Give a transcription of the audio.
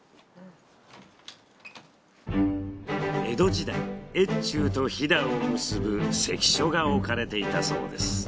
江戸時代越中と飛騨を結ぶ関所が置かれていたそうです。